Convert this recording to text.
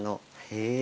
へえ。